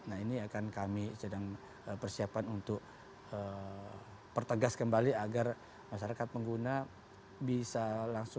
nah ini akan kami sedang persiapan untuk pertegas kembali agar masyarakat pengguna bisa langsung